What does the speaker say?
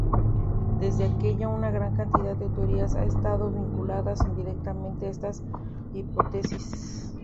Desde aquella, una gran cantidad de teorías han estado vinculadas indirectamente a esta hipótesis.